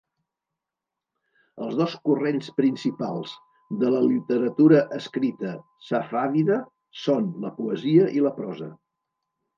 Els dos corrents principals de la literatura escrita safàvida són la poesia i la prosa.